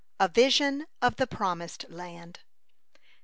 A VISION OF THE PROMISED LAND.